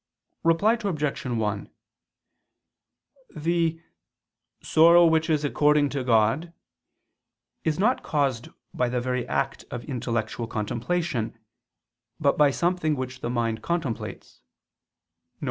Reply Obj. 1: The "sorrow which is according to God," is not caused by the very act of intellectual contemplation, but by something which the mind contemplates: viz.